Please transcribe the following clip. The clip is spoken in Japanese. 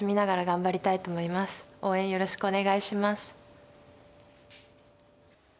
応援よろしくお願いします。